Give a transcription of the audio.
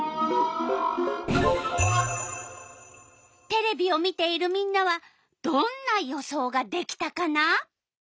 テレビを見ているみんなはどんな予想ができたかな？